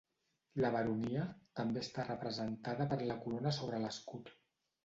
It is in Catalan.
La baronia també està representada per la corona sobre l'escut.